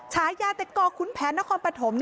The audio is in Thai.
ฉายาแต่ก่อคุณแผนนครปฐม